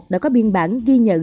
đã có biên bản ghi nhận